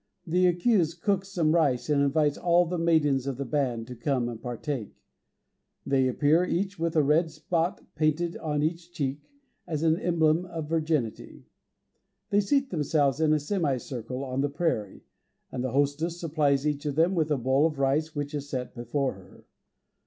The accused cooks some rice, and invites all the maidens of the band to come and partake. They appear, each with a red spot painted on each cheek, as an emblem of virginity. They seat themselves in a semi circle on the prairie, and the hostess supplies each of them with a bowl of rice which is set before her.